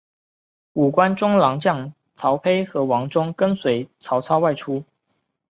五官中郎将曹丕和王忠跟随曹操外出。